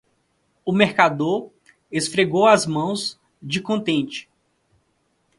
O mercador esfregou as mãos de contente.